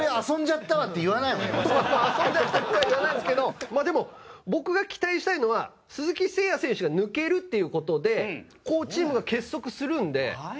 「遊んじゃった」とは言わないんですけどまあでも僕が期待したいのは鈴木誠也選手が抜けるっていう事でチームが結束するんで。